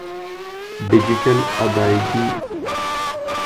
digital ادائیگی م